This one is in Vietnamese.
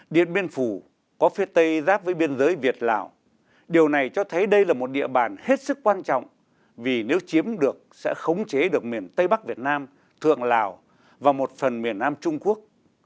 điện biên phủ có phía tây giáp với biên giới việt lào điều này cho thấy đây là một địa bàn hết sức quan trọng vì nếu chiếm được sẽ khống chế được miền tây bắc việt nam thượng lào và một phần miền nam trung quốc